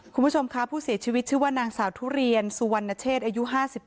คุณผู้ชมค่ะผู้เสียชีวิตชื่อว่านางสาวทุเรียนสุวรรณเชษอายุ๕๗